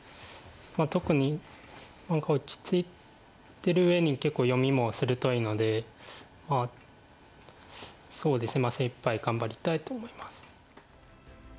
特に落ち着いてるうえに結構読みも鋭いのでそうですね精いっぱい頑張りたいと思います。